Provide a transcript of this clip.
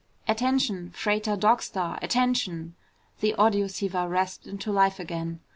"Attention! Freighter Dog Star! Attention!" the audioceiver rasped into life again.